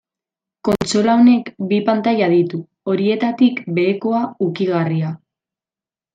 Kontsola honek bi pantaila ditu, horietatik, behekoa, ukigarria.